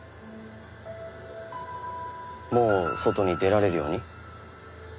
もう外に出られるように？